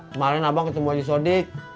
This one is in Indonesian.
kemaren abang ketemu anji sodik